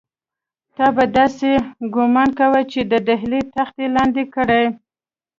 تا به داسې ګومان کاوه چې د ډهلي تخت یې لاندې کړی.